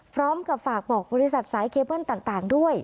พร้อมกับฝากบอกบริษัทสายเคเบิ้ลต่างด้วย